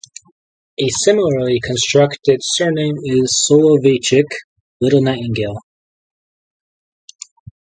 A similarly constructed surname is Soloveichik ("little nightingale").